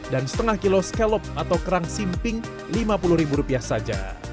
dan setengah kilo skelop atau kerang simping lima puluh rupiah saja